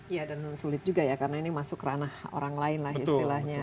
iya dan sulit juga ya karena ini masuk ranah orang lain lah istilahnya